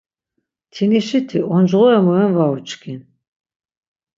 Mtinişiti oncğore mu ren var uçkin.